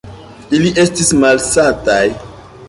Ili estis malsataj.